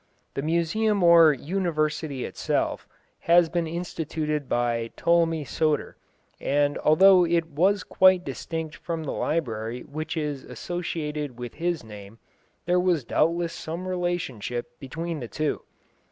The museum or university itself, had been instituted by Ptolemy Soter, and though it was quite distinct from the library which is associated with his name, there was doubtless some relationship between the two.